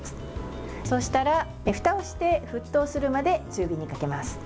そうしたら、ふたをして沸騰するまで中火にかけます。